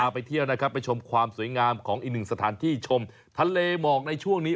ไปเที่ยวนะครับไปชมความสวยงามของอีกหนึ่งสถานที่ชมทะเลหมอกในช่วงนี้